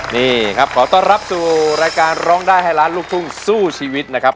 นี่ครับขอต้อนรับสู่รายการร้องได้ให้ล้านลูกทุ่งสู้ชีวิตนะครับ